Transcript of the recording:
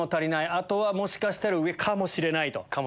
あとはもしかしたら上かもしれないと。